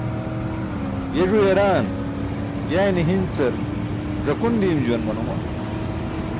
Ye ẓu yaraan yayne hincar ẓakun diim juwan manuma.